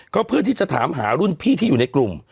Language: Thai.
ก็เพื่อที่จะถามหารุ่นพี่ที่อยู่ในกลุ่ม